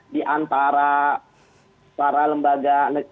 diantara para lembaga